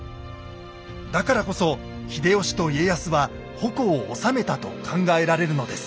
だからこそ秀吉と家康は矛を収めたと考えられるのです。